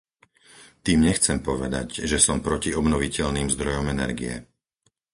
Tým nechcem povedať, že som proti obnoviteľným zdrojom energie.